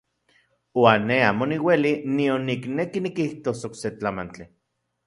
Uan ne amo niueli nion nikneki nikijtos okse tlamantli.